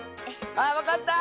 あわかった！